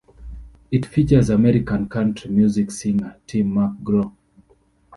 It features American country music singer Tim McGraw.